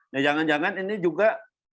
nah jangan jangan ini juga